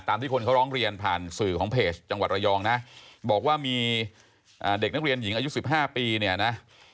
ที่คนเขาร้องเรียนผ่านสื่อของเพจจังหวัดระยองนะบอกว่ามีเด็กนักเรียนหญิงอายุ๑๕ปีเนี่ยนะ